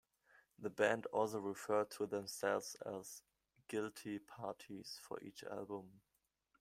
The band also refer to themselves as "Guilty Parties" for each album.